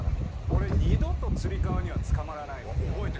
俺二度とつり革にはつかまらないよ。